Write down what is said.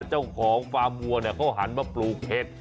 เจ้าของฟาร์มวัวเขาหันมาปลูกเห็ด